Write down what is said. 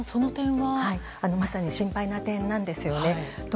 まさに心配な点なんですよね。